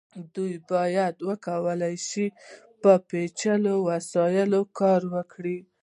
دوی باید وکولی شي په پیچلو وسایلو کار وکړي.